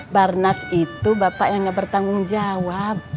barnas itu bapak yang gak bertanggung jawab